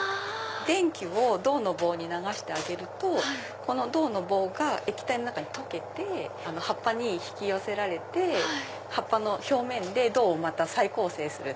電気を銅の棒に流してあげるとこの銅の棒が液体の中で溶けて葉っぱに引き寄せられて葉っぱの表面で銅を再構成する。